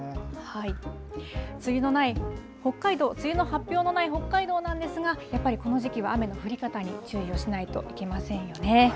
梅雨のない北海道、梅雨の発表のない北海道なんですが、やっぱりこの時期は雨の降り方に注意をしないといけませんよね。